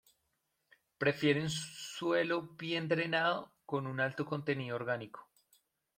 Prefiere un suelo bien drenado con un alto contenido orgánico.